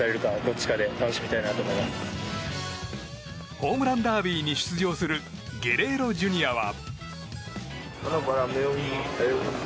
ホームランダービーに出場するゲレーロＪｒ．は。